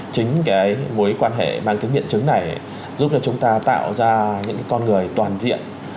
chính cái mối quan hệ mang tính biện chứng này giúp cho chúng ta tạo ra những con người toàn diện